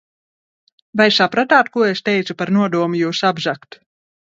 Vai sapratāt, ko es teicu par nodomu jūs apzagt?